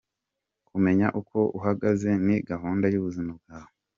Kumenya uko uhagaze ni gahunda y’ubuzima bwawe